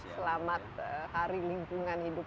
selamat hari lingkungan hidup